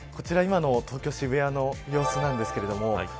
こちら今の東京渋谷の様子なんですけれども。